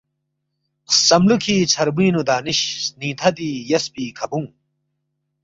خسم لوکھی ژھربوئینگنو دانشؔ سنینگ تھدی یسپی کھبونگ